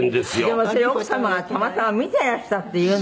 でもそれを奥様がたまたま見ていらしたっていうのがね。